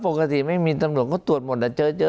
ปกติไม่มีตำรวจก็ตรวจหมดแต่เจอ